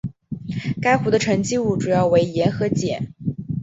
该湖的沉积物主要为盐和碱。